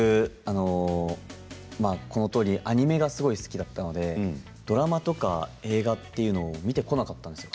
この当時アニメがすごく好きだったのでドラマとか映画というのを見てこなかったんです。